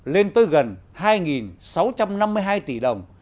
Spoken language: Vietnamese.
lên tới gần hai sáu trăm năm mươi hai tỷ đồng